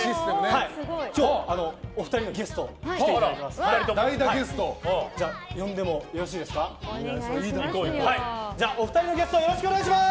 今日、お二人のゲスト来ていただいております。